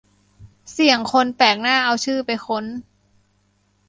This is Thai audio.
เสี่ยงคนแปลกหน้าเอาชื่อไปค้น